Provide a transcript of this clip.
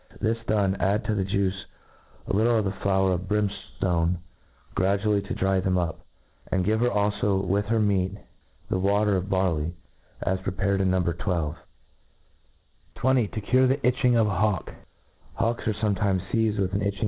This done, add ta the juice a little of the flower of brimilohey gradually to dry them up j and give her alfo with her meat the water' of barley^ as prepared in No. I2f, 20. To cure the Itching of d Hawh Hawks are fometimes feized with an itching!